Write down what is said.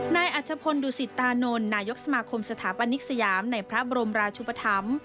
นายอัชพลดูสิตตานนท์นายกสมาคมสถาปนิกสยามในพระบรมราชุปธรรม